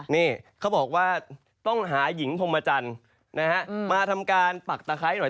นี่เขาบอกว่าต้องหาหญิงพรมจันทร์นะฮะมาทำการปักตะไคร้หน่อย